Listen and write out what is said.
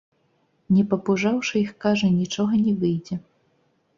Не папужаўшы іх, кажа, нічога не выйдзе.